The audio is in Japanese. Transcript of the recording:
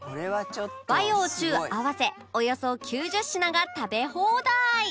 和洋中合わせおよそ９０品が食べ放題！